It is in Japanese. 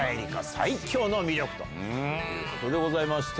最強の魅力」ということでして。